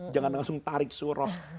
jangan langsung tarik surah